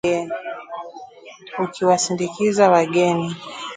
ukiwasindikiza wageni